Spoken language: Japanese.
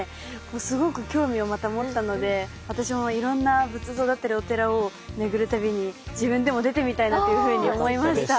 すごく興味をまた持ったので私もいろんな仏像だったりお寺を巡る旅に自分でも出てみたいなというふうに思いました。